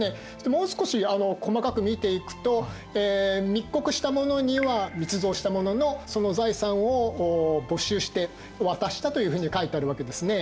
もう少し細かく見ていくと「密告した者には密造した者のその財産を没収して渡した」というふうに書いてあるわけですね。